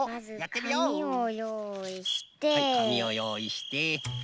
かみをよういして。